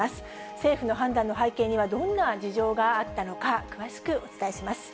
政府の判断の背景には、どんな事情があったのか、詳しくお伝えします。